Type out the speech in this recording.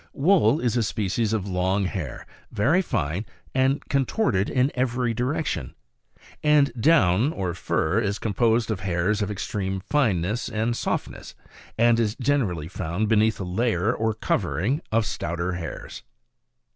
Wool is a species of long hair, very fine, and contorted in every direction : and down or fur is composed of hairs of extreme fineness and softness, and is generally found beneath a layer or covering of stouter hairs.